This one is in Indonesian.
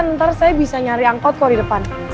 nanti saya bisa nyari angkot kok di depan